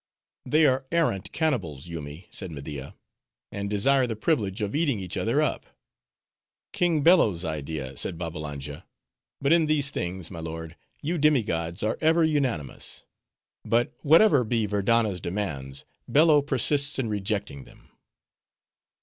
"They are arrant cannibals, Yoomy," said Media, "and desire the privilege of eating each other up." "King Bello's idea," said Babbalanja; "but, in these things, my lord, you demi gods are ever unanimous. But, whatever be Verdanna's demands, Bello persists in rejecting them."